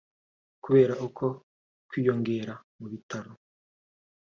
Kubera uko kwiyongera mu bitaro